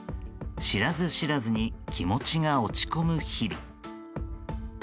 知らず知らずに気持ちが落ち込む日々。